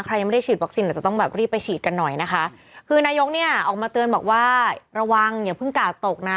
ยังไม่ได้ฉีดวัคซีนอาจจะต้องแบบรีบไปฉีดกันหน่อยนะคะคือนายกเนี่ยออกมาเตือนบอกว่าระวังอย่าเพิ่งกาดตกนะ